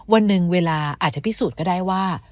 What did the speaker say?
วันหนึ่งเวลาอาจจะพิสูจน์ก็ได้ว่า